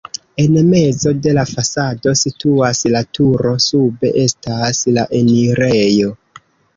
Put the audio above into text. En mezo de la fasado situas la turo, sube estas la enirejo.